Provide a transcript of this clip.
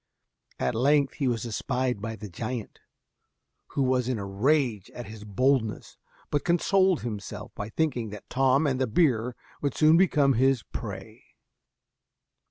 At length he was espied by the giant, who was in a rage at his boldness, but consoled himself by thinking that Tom and the beer would soon become his prey.